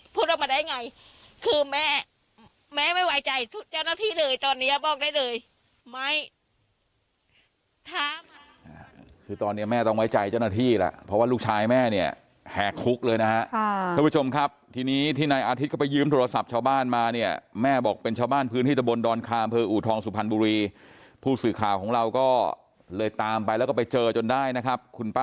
พูดออกมาได้ยังไงคือแม่แม่ไม่ไหวใจเจ้าหน้าที่เลยตอนเนี้ยบอกได้เลยไหมคือตอนเนี้ยแม่ต้องไว้ใจเจ้าหน้าที่แหละเพราะว่าลูกชายแม่เนี้ยแหกคุกเลยนะฮะค่ะทุกผู้ชมครับทีนี้ที่ในอาทิตย์ก็ไปยืมโทรศัพท์ชาวบ้านมาเนี้ยแม่บอกเป็นชาวบ้านพื้นที่ตะบนดอนคาเผืออูทองสุพรรณบุรีผู้สื่อข